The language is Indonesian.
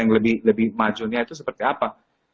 yang lebih majunya itu seperti apa